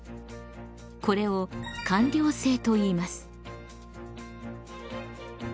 これを官僚制といいます。